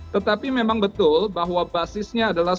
tetapi memang betul bahwa basisnya adalah